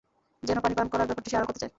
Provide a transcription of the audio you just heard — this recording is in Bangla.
যেন পানি পান করার ব্যাপারটি সে আড়াল করতে চায়।